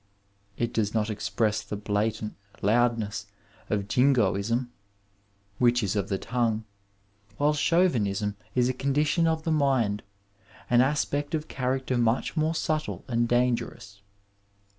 It does not eicpress the blatant loudness of Jingoism, which is of the tongue, while Chauvinism is a condition of the mind, an aspect of character much more subtle and dan gerous.